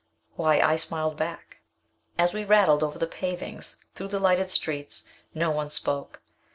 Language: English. Why, I smiled back! As we rattled over the pavings, through the lighted streets, no one spoke.